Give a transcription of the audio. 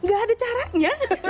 gak ada caranya